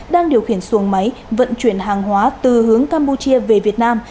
đang điều khiển xuồng máy vận chuyển hàng hóa từ hướng campuchia về việt nam